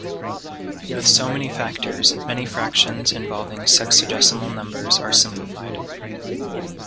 With so many factors, many fractions involving sexagesimal numbers are simplified.